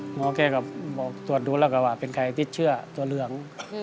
แกก็บอกตรวจดูแล้วก็ว่าเป็นใครพิษเชื่อตัวเหลือง